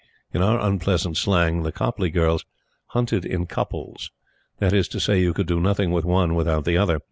In our unpleasant slang, the Copleigh girls "hunted in couples." That is to say, you could do nothing with one without the other.